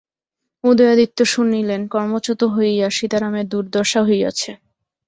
উদয়াদিত্য শুনিলেন, কর্মচ্যুত হইয়া সীতারামের দুর্দশা হইয়াছে।